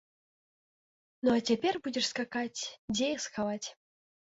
Ну, а цяпер будзеш скакаць, дзе іх схаваць.